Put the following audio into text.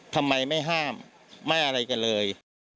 ทำไมไม่ห้ามไม่อะไรกันเลย